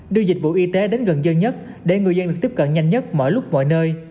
đưa dịch vụ y tế đến gần dân nhất để người dân được tiếp cận nhanh nhất mọi lúc mọi nơi